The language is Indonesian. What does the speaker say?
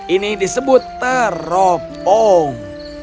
ini disebut teropong